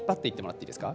いいですか？